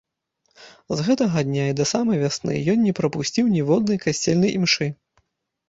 З гэтага дня і да самай вясны ён не прапусціў ніводнай касцельнай імшы.